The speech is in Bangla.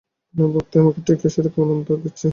আপনার ভক্তিও আমাকে ঠিক সেইরকম আনন্দ দিচ্ছে।